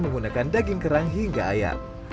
menggunakan daging kerang hingga ayam